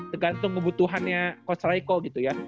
tergantung kebutuhannya coach reco gitu ya